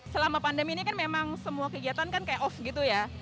selama pandemi ini kan memang semua kegiatan kan kayak off gitu ya